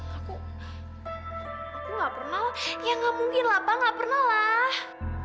aku aku gak pernah ya gak mungkin lah pak gak pernah lah